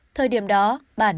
thời điểm đó bản